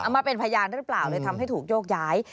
มาเป็นพยานหรือเปล่าเลยทำให้ถูกโยกย้าย